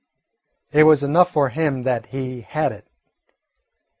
It was enough for him that he had it.